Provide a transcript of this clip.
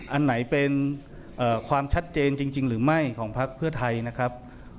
อันไหนเป็นความชัดเจนจริงหรือไม่ของพักเพื่อไทยนะครับ